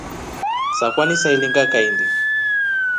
Sakwa nisailinga kahindi.